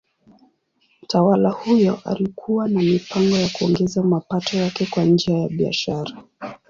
Mtawala huyo alikuwa na mipango ya kuongeza mapato yake kwa njia ya biashara.